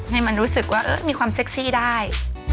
ให้มันรู้สึกว่ามีความเซ็กซี่ได้